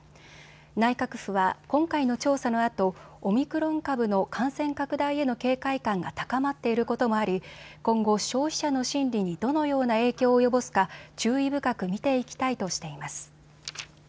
内閣府は、今回の調査のあとオミクロン株の感染拡大への警戒感が高まっていることもあり今後、消費者の心理にどのような影響を及ぼすか注意深く見ていきたいとしています。